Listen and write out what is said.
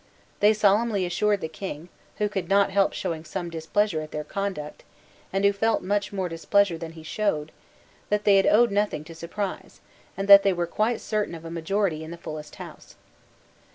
They solemnly assured the King, who could not help showing some displeasure at their conduct, and who felt much more displeasure than he showed, that they had owed nothing to surprise, and that they were quite certain of a majority in the fullest house.